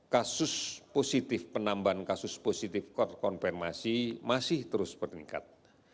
kasus positif penambahan kasus positif terkonfirmasi masih terus bertingkat